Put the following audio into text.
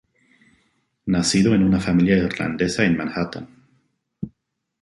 Nacido en una familia irlandesa en Manhattan.